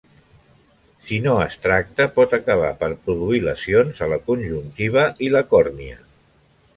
Si no es tracta, pot acabar per produir lesions a la conjuntiva i la còrnia.